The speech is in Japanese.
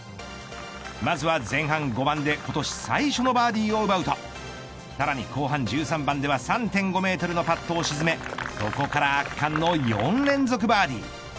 まずは前半５番で今年最初のバーディーを奪うとさらに後半１３番では３．５メートルのパットを沈めそこから圧巻の４連続バーディー。